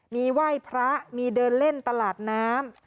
มีไหว้พระมีเดินเล่นตลาดน้ำ